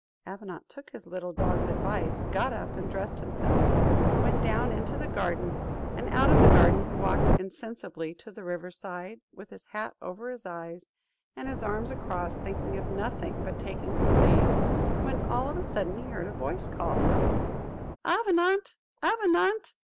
Avenant took his little dog's advice; got up, and dressed himself, went down into the garden, and out of the garden he walked insensibly to the river side, with his hat over his eyes, and his arms across, thinking of nothing but taking his leave; when all on a sudden he heard a voice call, "Avenant, Avenant!"